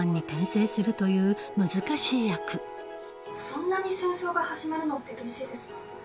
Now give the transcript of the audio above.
そんなに戦争が始まるのってうれしいですか？